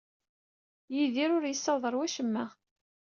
Yidir ur yessawaḍ ɣer wacemma.